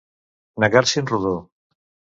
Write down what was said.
Negar-s'hi en rodó.